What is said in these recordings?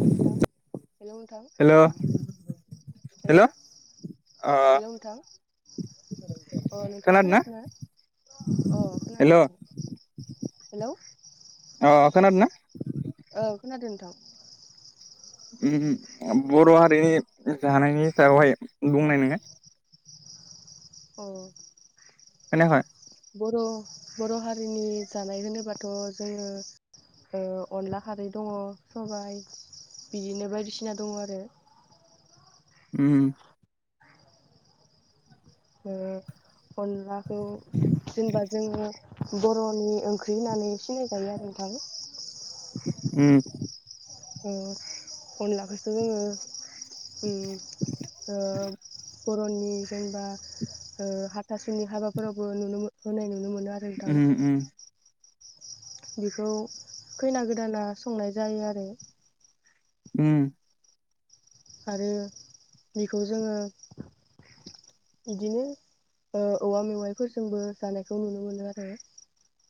नोंथां हेल' नोंथां hello hello hello अ हेल' नोंथां अ नोंथाङा खोनादों ना खोनादोंना अ खोनादों हेल' नोंथां हेल' अ खोनादों ना? औ खोनादों नोंथां। ओम बर' हारिनि जानायनि सायावहाय बुंनाय नोङो औ खोनायाखय? बर' बर' हारिनि जानाय होनोबाथ' जोङो ओ अनला खारै दङ सबायाइ बिदिनो बायदिसिना दङ आरो उम ओ अनलाखौ जेनेबा जोङो बर'नि ओंख्रि होननानै सिनायजायो आरो नोंथां उम ओ अनलाखोसो जोंङो ओ ओ बर'ननि जेनेबा ओ हाथासुनि हाबाफोरावबो नुनो होनाय नुनो मोनो [unintelligible] उम बेखौ खैना गोदाना संनाय जायो आरो उम आरो बेखौ जोङो बिदिनो ओ औवा मेवाइफोरजोंबो जानायखौ नुनो मोनो आरो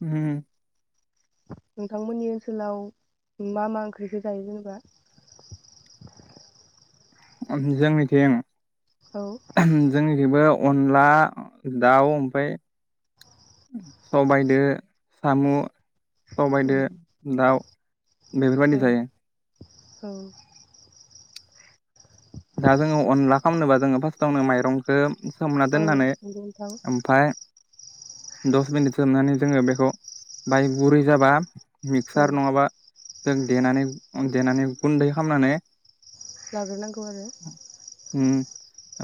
उम नोंथांमोननि ओनसोलाव मा मा ओंख्रिसो जायो जेनेबा [unintelligible] जोंनिथिं औ जोंनिथिंबो अनला दाउ ओमफाय सबायाइदो साम' सबायदो दाउ बेफोरबायदि जायो औ दा जोङो अनला खालामनोबा जोङो फार्स्टआवनो माइरंखौ सोमना औ दोननानै नंगौ नोंथां ओमफाय दस मिनिट सोमनानै जोङो बेखौ बाय गुरै जाबा औ मिक्सार नङाबा जों देनानै देनानै गुन्दै खालामनानै लाग्रोनांगौ आरो उम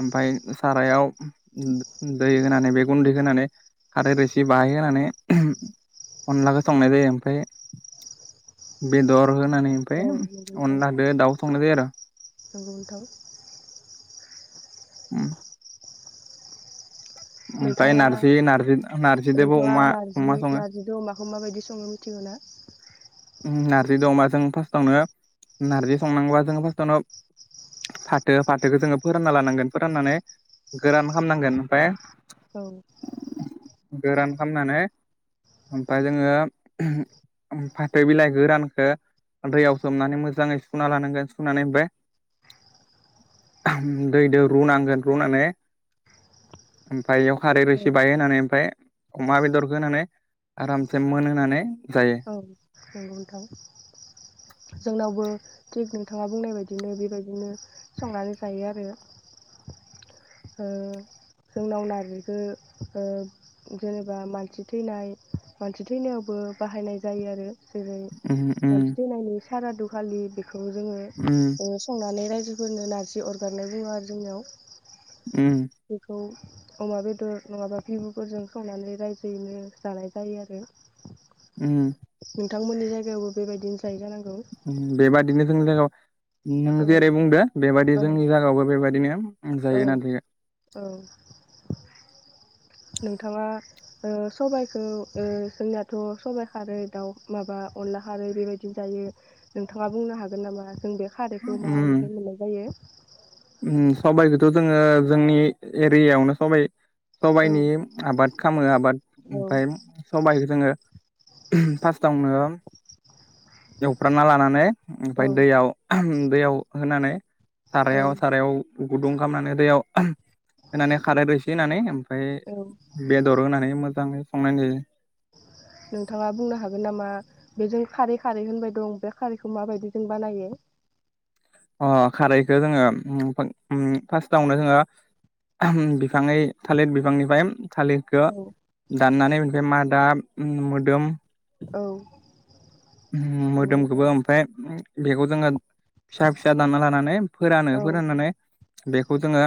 ओमफाय सारायाव दै उम होनानै बेे गुन्दै होनानै खारै रोसि बाहाय होनानै अनलाखौ संनाय जायो ओमफाय बेदर होनानै औ ओमफ्राय नंगौ नोंथां अनला दो दाउ संनाय जायो आरो नंगौ नोंथां उम ओमफाय नोंथाङा नारजि नारजि नार्जिदोबो अमा अमा सङो बेखौ माबायदि संनो मिथिगौ ना? उम नार्जि दो अमाजों फार्स्टआवनो नार्जि संनांगोबा जों फार्स्टआवनो फाथो फाथोखौ जोङो फोरानना लानांगोन फोराननानै गोरान खामनांगोन ओमफाय औ गोरान खामनानै ओमफाय जोङो ओमफाय- ऐ बिलाइ गोरानखो दैयाव सोमनानै मोजाङै सुना लानांगोन सुनानै ओमफ्राय - दैजों रुनांगोन रुनानै ओमफाय बेयाव खारै औ रोसि बाय होनानै ओमफाय अमा बेदरखो होनानै आरामसे मोनहोनानै जायो। औ नंगौ नोंथां जोंनावबो थिग नोंथाङा बुंनाय बायदिनो बेबायदिनो संनानै जायो आरो [inaudible] ओ जोंनाव नारजिखो ओ जेनेबा मानसि थैनाय मानसि थैनायावबो बाहायनाय जायो आरो जेरै- उम उम मानसि थैनायनि सारादु खाालि बे बेखौ जोङो उम ओ संनानै रायजोफोरनो नारजि अरगारनाय बुङ आरो जोंनियाव उम बेखौ- अमा बेदर नङाबा बिबुफोरजों संनानै रायजोयैनो जानाय जायो आरो। उम नोंथांमोननि जायगायावबो बेबायदिनो जायो जानांगौ। बेबादिनो जोंनि जागायाव औ नों जेरै- बुंदो बेबायदि औ जोंनि जायगायावबो बेबायदिनो। औ औ नोंथाङा ओ सबाइखौ ओ जोंनिथ' सबाइ खारै दाउ माबा अनला खारै बेबाय जायो नोंथानो बुंनो हागोन नामा? जों बे खारैखौ मानिफ्राय मोननाय जायो। ओ सबाइखौथ' जोङो जोंनि एरियायावनो सबाइ औ सबायाइनि आबाद खामो आबाद औ ओमफाय सबाइखो जोङो फार्स्टआवनो एवफ्राना लानानै ओमफाय औ दैयाव दैयाव होनानै औ सारायाव सारायाव गुदुं खालामनानै दैयाव होनानै खारै रोसि होनानै ओमफाय औ बेदर होनानै मोजाङै संनाय जायो। [inaudible] नोंथाङा बुंनो हागोन नामा बेजों खारै खारै होनबाय दं बे खारैखौ माबायदि जों बानायो? अ खारैखौ जोङो उम उम फार्स्टावनो जोङो बिफाङै थालिर बिफांनिफ्राय थालिरखौ औ दाननानै बेनिफाय मादा उम मोदोम औ उम नंगौ नोंथां मोदोमखौबो ओमफाय बेखौ जोङो फिसा फिसा दानना लानानै फोरानो औ फोराननानै बेखौ जोङो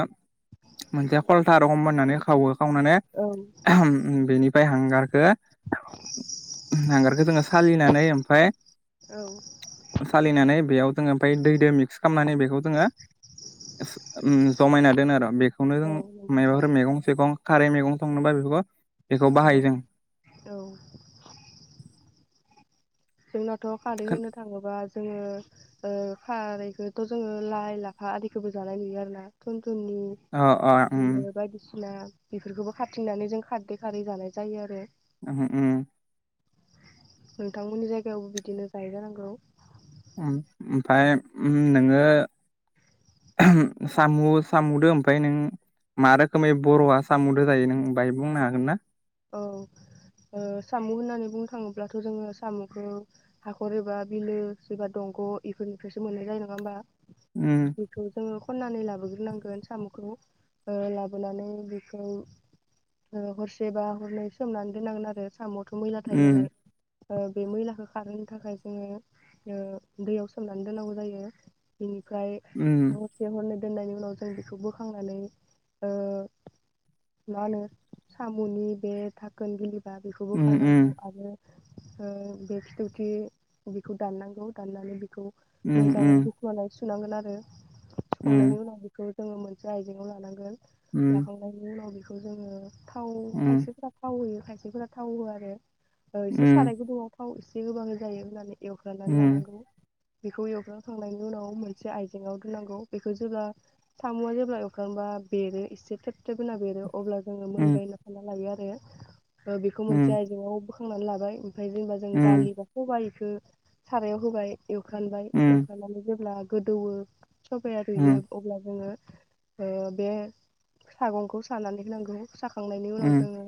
मोनसे फलथा रखम बाननानै खावो खावनानै औ ओहोम बेनि हांगारखो हांगारखो जोङो सालिनानै ओमफाय औ सालिनानै बेयाव जोङो ओमफाय दैदो मिस्क खालामनानै बेखौ जोङो उम जमायना दोनो आरो मिस्क बेखौनो औ जों नंगौ नोंथां मायबाफोर मैगं सैगं खारै मैगं संनोबा बेखौ बेखौ बाहायो जों औ औ जोंनाथ' खारै होनो थाङोबा जोङो ओ खारैखौथ' जोङो लाइ लाफा आदिखौबो जानाय नुयो आरो ना थो थुनि अ अ बिदिनो बायदिसिना बेफोरखोबो खारथिंनानै जों खारदै खारै जानाय जायो आरो। [unintelligible] नोंथांमोननि जायगायावबो बिदिनो जायोजानांगौ। ओम ओम ओमफाय उम नोङो एहोम, सामु' सामु'दो ओमफाय नों मा रोखोमै बर'आ सामुदो जायो नों बाहाय बुंनो हागोन ना? औ ओ सामु' होननानै बुंनो थाङोब्लाथ' जोङो सामु'खौ हाखर एबा बिलो एबा दं ग' इफोरनि फ्रायसो मोननाय जायो नङा होमबा उम बेखौ जोङो खननानै लाबोग्रोनांगोन सामु'खौ ओ लाबोनानै बिखौ ओ हरसे बा हरनै सोमनानै दोननांगोन आरो साम'वथ' मैला थायो उम नालाय। ओ बे मैलाखो खारहोनो थाखाय जोङो ओ दैयाव सोमनानै दोननागौ जायो बिनि फ्राय उम हरसे हरनै दोननायनि उनाव जों बेखौ बोखांनानै ओ मा होनो सामु'नि बे थाखोन बिलिबा बेखौबो उम खालागौ उम आरो ओ बे खिथौथि बिखौ दाननांगौ दाननानै बिखौ मोजाङै उम हुख्ननाय सुनांगोन आरो सुखां उम नायनि उनाव बिखौ जोङो मोनसे आयजें आव लानांगोन उम लाखांनायनि उनाव बेखौ जोङो थाव उम खायसेफोरा थाव होयो खायसेफोरा थाव होआ आरो ओ एसे उम साराय गुदुंङाव थाव एसे होबानो जायो होनानै एवग्रोनानै उम लानांगौ। बेखौ एवखां खांनायनि उनाव मोनसे आइजें आव दोननांगौ। बेखो जेब्ला सामु'आ जेब्ला एवखांबा अब्ला बेरो इसेेे थेब थेब होना बेरो अब्ला जोंङो मोनबा उम सानना लायो आरो ओ बेखौ मोनसे उम आइजें आव बोखांनानै लाबाय ओमफाय जेनेबा जों दालि उम बा सबाय खो सारायाव होबाय एवखानबाय उम एवफ्रामनानै जेब्ला गोदौवो सबाया रुयो अब्ला जोङो ओ बे सागंखौ सानानै होनांगौ साखां नायनि उम उनाव जोङो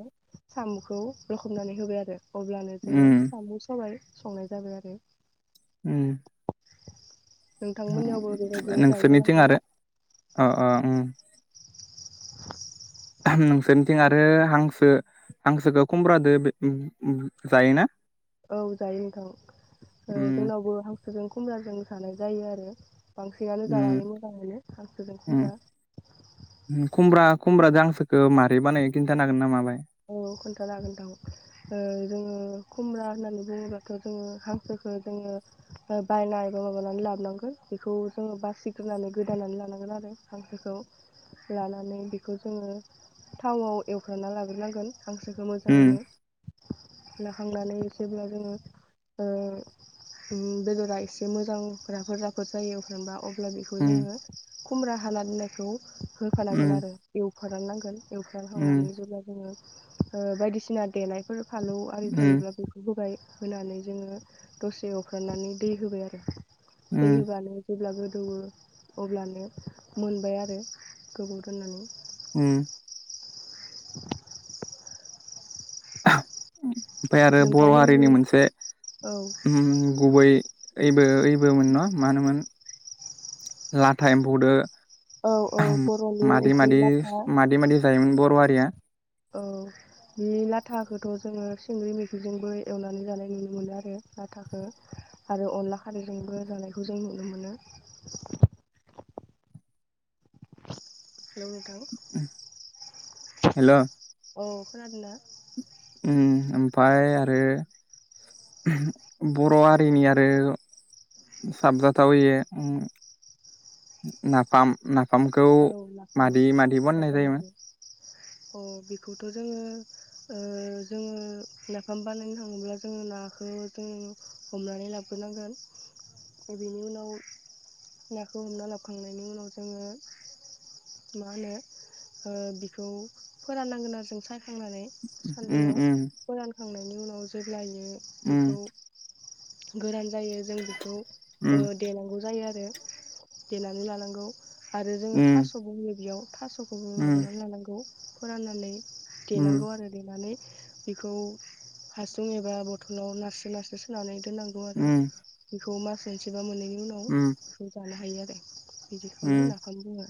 सामु'खौ लखबनानै होबाय आरो अब्लानो जोङो उम सामु' सबाय संनाय जाबाय आरो। उम। नोंथांमोननियावबो [unintelligible] बेबायदिनो जायो नोंसोरनिथिं जानांगौ आरो अ' अ' उम उम। [unintelligible] नोंसोर निथिं आरो हांसो हांसोखो खुमब्रादो बे उम जायोना? औ जायो नोंथां ओ उम जोंनावबो हांसोजों खुमराजों जानाय जायो आरो बांसिनानो उम जानानै मोजां मोनो हांसोजों खुमब्रा। उम खुमब्रा खुमब्रादो हांसोखो मारै बानायो खिन्थानो हागोन ना माबाय? औ खोन्थानो हागोन नोंथां ओ जोङो खुमब्रा होननानै बुङोब्लाथ' जोङो हांसो ओ जोङो बायना एबा माबानानै लाबोनांगो बेखौ जोङो बासि ग्रोनानै गोदानानै लानांगोन। हागोन आरो हांसोखौ लानानै बेखौ जोङो थावाव एवफ्रामना लाग्रोनांगोन। हांसोखो उम मोजाङैनो हांनानै जेब्ला जोङो ओ उम बेदरा एसे मोजां राफोर राफोर जायो एवफ्रामबा अब्ला बेखौ उम जोङो खुमरा हाना दोननायखौ होफा नांगोन उम आरो एवफ्रा नांगोन। एवख्राम खांनानै उम जेब्ला जोङो ओ बायदिसिना देनाय फोर फालौ आरि उम थायोब्ला बेखौब होबाय। होनानै जोङो दसे एवफ्रामनानै दै होबाय आरो दै उम होबानो जेब्ला दौवो अब्लानो मोनबाय आरो गोबाव दोननानै। उम। [unintelligible] [unintelligible] ओमफ्राय आरो बर' हारिनि नोंथांमोननि मोनसे औ उ गुबै ओइबो ओइबो मोन ना मा होनोमोन लाथा एम्फौदो औ औ बर'नि मादि ओंख्रि मादि लाथा मादि मादि जायो मोन बर'हारिया औ बे लाथा खौथ' जोङो सिंग्रि मेखि जोंबो एवनानै जानाय नुनो मोनो आरो। लाथाखो आरो अनला खारै जोंबो जानायखौ जों नुनो मोनो। [unintelligible] हेल' नोंथां। हेल' औ खोनादोंना उम ओमफ्राय आरो बर' हारिनि आरो साबजाथावहोयो नाफाम नाफामखौ औ नाफाम मादि मादि बानायनाय नाफाम जायोमोन ओंख्रि औ बेखौथ' जोङो ओ जोङो नाफाम बानायनो थाङोब्ला जोङो नाखौ जोङो हमनानै लाबग्रोनांगोन बेनि उनाव नाखौ हमना लाबखांनायनि उनाव जोङो मा होनो ओ बिखौ फोराननांगोन आरो जों सायखांनानै सान्दुङाव फोरानखांनायनि उनाव जेब्लायो बेखौ उम गोरान जायो जों बेखौ उम देनांगौ जायो आरो देनानै लानांगौ आरो जोङो उम उम थास'बो होयो बेयाव थास' बेखौबो उम माबानानै लानांगौ फोराननानै उम देनांगौ आरो देनानै बेखौ हासुं एबा बथलाव नारसो नारसो सोनानै दो नांगौ आरो उम बेखौ मास मोनसेबा मोनैनि उनाव उम बेखौ जानो हायो आरो बिदि उम बेखौनो नाफाम बुङो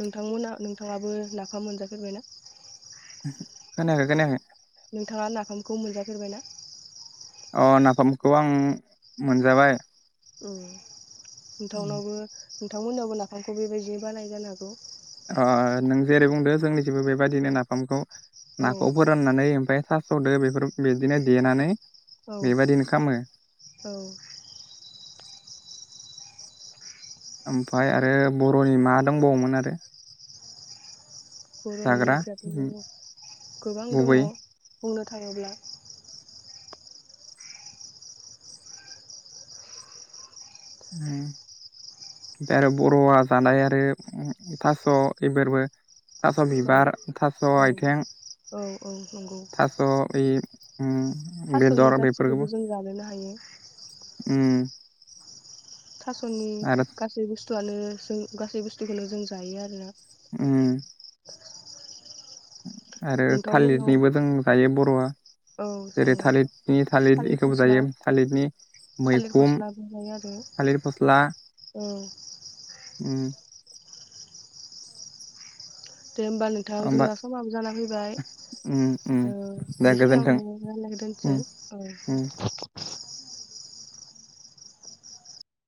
नोंथांमोना नोंथाङाबो नाफाम मोनजाफेरबायना खोनायाखै खोनायाखै नोंथाङा नाफामखौ मोनजाफेरबाय ना अ नाफामखौ आं मोनजाबाय उम नोंथांनावबो नोंथांमोनियावबो नाफामखौ बेबायदिनो बानायो जानो हागौ अ नों जेरै बुंदो जोंनिथिबो बेबायदिनो नाफामखौ औ नाखौ फोराननानै ओमफ्राय थास'दो बेफोर बिदिनो देनानै औ बेबायदिनो खामो औ ओमफ्राय आरो बर'नि मा दंबावोमोन आरो बर'नि जाग्रा ओंख्रियाथ' गोबां दङ गुबै बुंनो थाङोब्ला उम दायरेक बर'आ जानाय आरो थास' बेफोरबो थास' औ बिबार थास' औ आथिं औ औ नंगौ थास' बै उम थास'नि बेदर गासिखौबो बेफोरखौबो जों जानोनो हायो उम थास'नि आरो गासै बुस्थुआनो जों गासै बुस्थुखौनो जों जायो आरोना उम आरो नोंथांमोननाव थालिरनिबो जों जायो बर'आ औ जेरै जायो थालिरनि थालिर बेखौबो जायो थालिरनि थालिर मैखुन फस्लाबो जायो आरो थालिर औ उम दे होमबा नोंथां होमबा जोंना समाबो जाना फैबाय ओम ओम ओ दे गोजोन्थों बेखिनियावनो रायलायना दोनसै ओम ओम औ